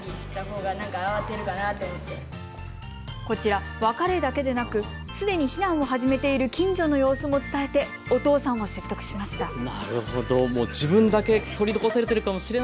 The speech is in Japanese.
こちら、別れだけでなくすでに避難を始めている近所の様子も伝えてお父さんを説得しました。